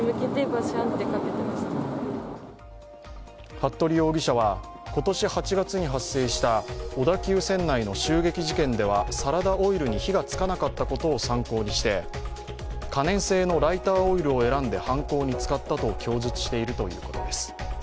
服部容疑者は今年８月に発生した小田急線内の襲撃事件ではサラダオイルに火がつかなかったことを参考にして可燃性のライターオイルを選んで犯行に使ったと供述しているということです。